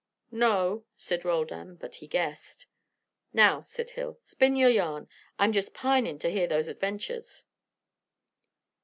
"No," said Roldan; but he guessed. "Now," said Hill, "spin your yarn. I'm just pinin' to hear those adventures."